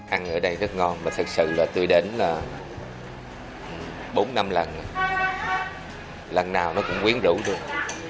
ăn ở đây rất ngon mà thật sự là tôi đến là bốn năm lần lần nào nó cũng quyến rũ tôi